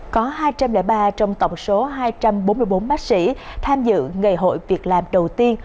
có hai trăm linh ba trong tổng số hai trăm bốn mươi bốn bác sĩ tham dự ngày hội việc làm đầu tiên